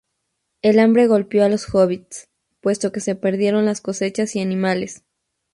El hambre golpeó a los hobbits, puesto que se perdieron las cosechas y animales.